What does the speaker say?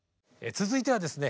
続いてはですね